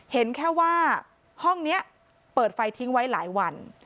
เห็นแค่ว่าห้องนี้เปิดไฟทิ้งไว้หลายวัน